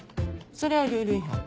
それはルール違反。